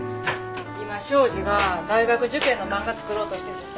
今東海林が大学受験の漫画つくろうとしててさ。